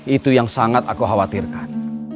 itu yang sangat aku khawatirkan